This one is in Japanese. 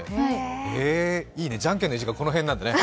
いいね、じゃんけんの位置がこの辺なんだね。